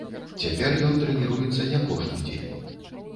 Цяпер ён трэніруецца не кожны дзень.